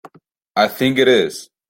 I think it is.